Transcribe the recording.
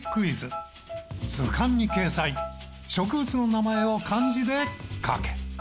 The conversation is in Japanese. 図鑑に掲載植物の名前を漢字で書け。